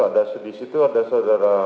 di situ ada saudara